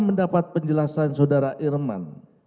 dan mendapat penjelasan saudara irman